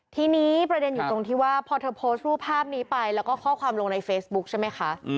ทีนี้ประเด็นอยู่ตรงที่ว่าพอเธอโพสต์รูปภาพนี้ไปแล้วก็ข้อความลงในเฟซบุ๊คใช่ไหมคะ